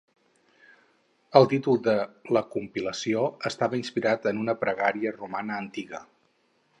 El títol de la compilació estava inspirat en una pregària romana antiga.